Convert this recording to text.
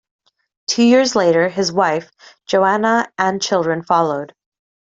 Two years later, his wife Johanna and children followed.